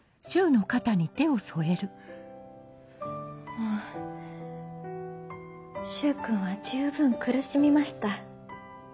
もう柊君は十分苦しみました。